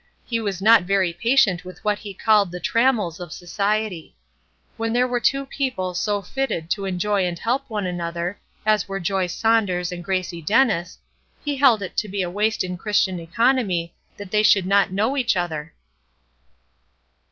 He was not very patient with what he called the "trammels" of society. When there were two people so fitted to enjoy and help one another, as were Joy Saunders and Gracie Dennis, he held it to be a waste in Christian economy that they should not know each other.